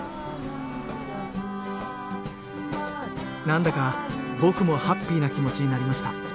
何だか僕もハッピーな気持ちになりました。